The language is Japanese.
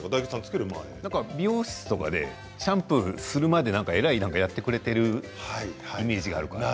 なんか美容室とかでシャンプーするまでなんかえらいやってくれてるイメージがあるから。